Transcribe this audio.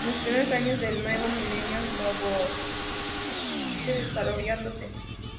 En los primeros años del nuevo milenio, Novosibirsk sigue desarrollándose.